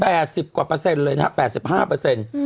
สิบกว่าเปอร์เซ็นต์เลยนะฮะแปดสิบห้าเปอร์เซ็นต์